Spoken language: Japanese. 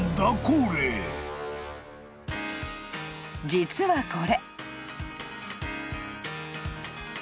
［実はこれ］